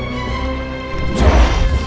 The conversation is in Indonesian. kami akan mencari raden pemalarasa